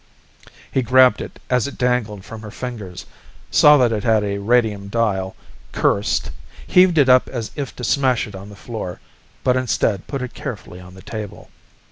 He grabbed it as it dangled from her fingers, saw that it had a radium dial, cursed, heaved it up as if to smash it on the floor, but instead put it carefully on the table.